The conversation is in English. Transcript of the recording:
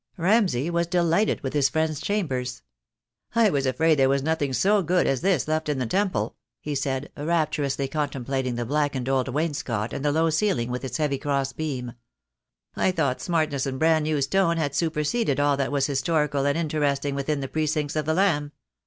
Ramsay was delighted with his friend's chambers. "I was afraid there was nothing so good as this left in the Temple," he said, rapturously contemplating the blackened old wainscot and the low ceiling with its heavy cross beam. "I thought smartness and brand new stone had superseded all that was historical and interesting within the precincts of the Lamb.